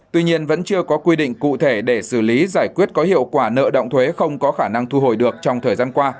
tuy nhiên vẫn chưa có quy định cụ thể để xử lý giải quyết có hiệu quả nợ động thuế không có khả năng thu hồi được trong thời gian qua